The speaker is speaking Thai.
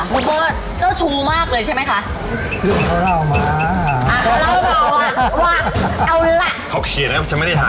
ลูกโบ๊ชเจ้าสู้มากเลยใช่มั้ยคะ